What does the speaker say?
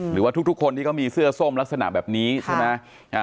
หรือว่าทุกคนที่เขามีเสื้อส้มลักษณะแบบนี้ใช่ไหม